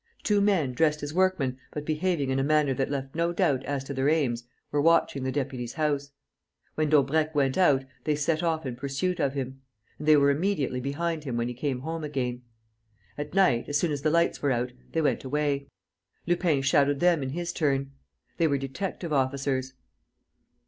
Two men, dressed as workmen, but behaving in a manner that left no doubt as to their aims, were watching the deputy's house. When Daubrecq went out, they set off in pursuit of him; and they were immediately behind him when he came home again. At night, as soon as the lights were out, they went away. Lupin shadowed them in his turn. They were detective officers.